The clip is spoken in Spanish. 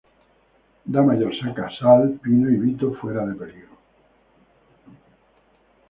Da Mayor saca a Sal, Pino y Vito fuera de peligro.